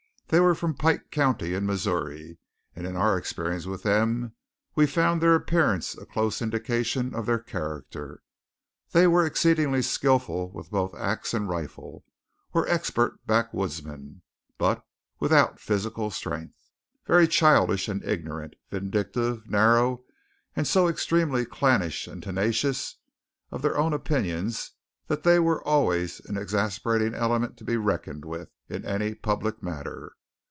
They were from Pike County in Missouri; and in our experience with them we found their appearance a close indication of their character. They were exceedingly skilful with both axe and rifle, were expert backwoodsmen, but without physical strength, very childish and ignorant, vindictive, narrow, and so extremely clannish and tenacious of their own opinions that they were always an exasperating element to be reckoned with, in any public matter.